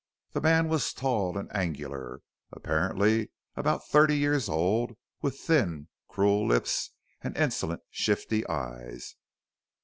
The man was tall and angular, apparently about thirty years old, with thin, cruel lips and insolent, shifty eyes.